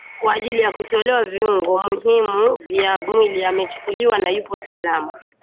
kwa ajili ya kutolewa viungo muhimu vya mwili amechukuliwa na yupo salama